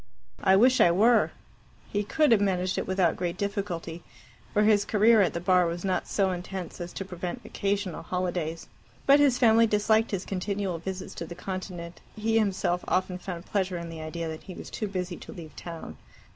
"I wish I were." He could have managed it without great difficulty, for his career at the Bar was not so intense as to prevent occasional holidays. But his family disliked his continual visits to the Continent, and he himself often found pleasure in the idea that he was too busy to leave town.